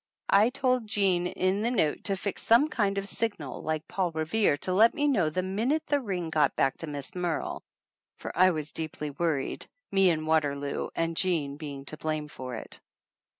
I told Jean in the note to fix some kind of signal like Paul Revere to let me know the min ute the ring got back to Miss Merle, for I was deeply worried, me and Waterloo and Jean be ing to blame for it.